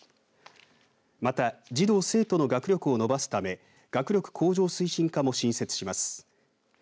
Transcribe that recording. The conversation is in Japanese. また児童・生徒の学力を伸ばすため学力向上推進課も新設します。